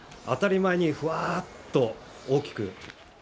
当たり前にふわーっと、大きく。